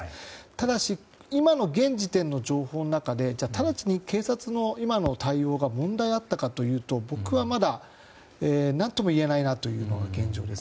ただし、今の現時点の情報の中で直ちに警察の今の対応が問題あったかというと僕はまだ何とも言えないなというのが現状です。